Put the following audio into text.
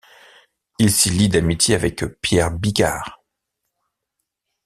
Il s'y lie d'amitié avec Pierre Biquard.